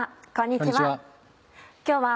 こんにちは。